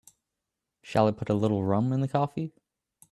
Shall I put a little rum in the coffee?